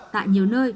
tại nhiều nơi